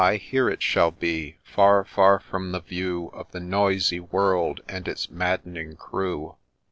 Ay, here it shall be !— far, far from the view Of the noisy world and its maddening crew.